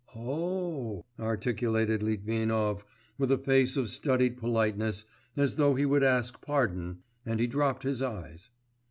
'... 'Oh!' articulated Litvinov, with a face of studied politeness, as though he would ask pardon, and he dropped his eyes.